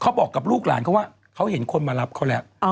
บอกกับลูกหลานเขาว่าเขาเห็นคนมารับเขาแล้ว